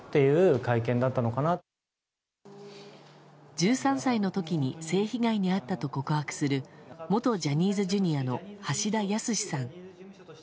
１３歳の時に性被害に遭ったと告白する元ジャニーズＪｒ．の橋田康さん。